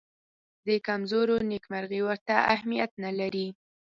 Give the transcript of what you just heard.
د کمزورو نېکمرغي ورته اهمیت نه لري.